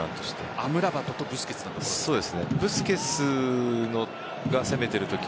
アムラバトとブスケツのところ？